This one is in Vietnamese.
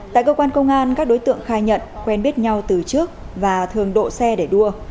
tại cơ quan công an các đối tượng khai nhận quen biết nhau từ trước và thường độ xe để đua